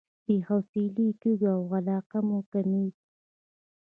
بې حوصلې کېږو او علاقه مو کميږي.